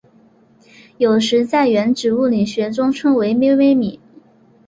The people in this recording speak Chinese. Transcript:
有时在原子物理学中称为微微米。